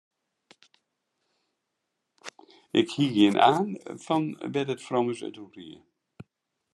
Ik hie der gjin aan fan wêr't it frommes it oer hie.